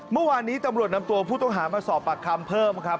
เมื่อวานนี้ตำรวจนำตัวผู้ต้องหามาสอบปากคำเพิ่มครับ